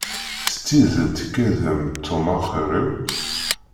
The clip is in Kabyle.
S tidet ikad-am-d Tom axir-iw?